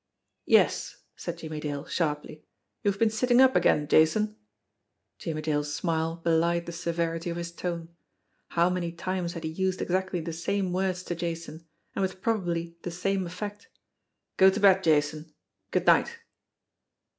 "Yes !" said Jimmie Dale sharply. "You've been sitting up again, Jason!" Jimmie Dale's smile belied the severity of his tone. How many times had he used exactly the same words to Jason and with probably the same effect! "Go to bed, Jason ! Good night